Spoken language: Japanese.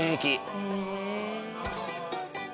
へえ。